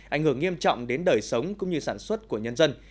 ảnh hưởng nghiêm trọng đến đời sống cũng như sản xuất của nhân dân